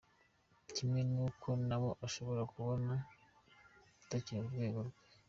Kimwe nuko nawe ashobora kubona utakiri ku rwego rwe.